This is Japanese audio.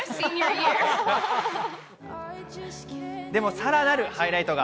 さらなるハイライトが。